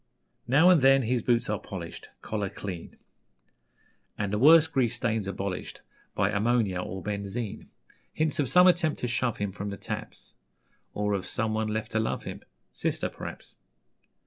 Now and then his boots are polished, Collar clean, And the worst grease stains abolished By ammonia or benzine: Hints of some attempt to shove him From the taps, Or of someone left to love him Sister, p'r'aps.